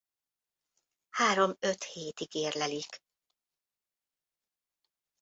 Három-öt hétig érlelik.